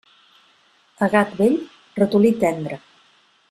A gat vell, ratolí tendre.